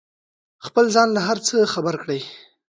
خپل ځان له هر څه خبر کړئ.